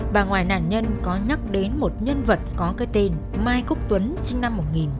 bà ngoài nạn nhân có nhắc đến một nhân vật có cái tên mai quốc tuấn sinh năm một nghìn chín trăm năm mươi bốn